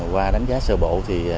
qua đánh giá sơ bộ